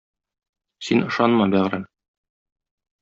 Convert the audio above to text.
Син ышанма, бәгърем!